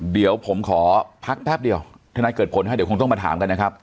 เดี๋ยวผมขอพักแป๊บเดียวทนายเกิดผลฮะเดี๋ยวคงต้องมาถามกันนะครับ